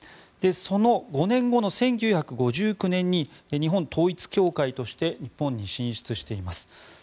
その５年後の１９５９年に日本統一教会として日本に進出しています。